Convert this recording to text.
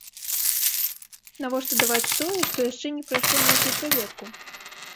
Навошта даваць тое, што яшчэ не прайшло нейкую праверку?